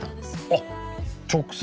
あっ直接？